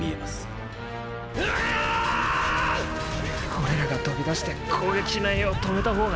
俺らが飛び出して攻撃しないよう止めたほうが。